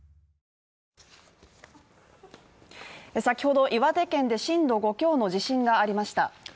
先ほど岩手県で震度５強の地震がありました。